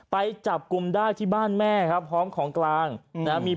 ไปจับกลุ่มได้ที่บ้านแม่ครับพร้อมของกลางนะฮะ